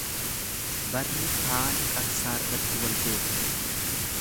Beerri faana qarsaarratti wal beekti.